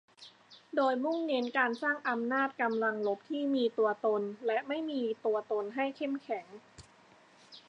โดยมุ่งเน้นการสร้างอำนาจกำลังรบที่มีตัวตนและไม่มีตัวตนให้เข้มแข็ง